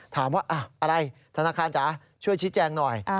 ถามว่าอะไรธนาคารจ๋าช่วยชี้แจงหน่อย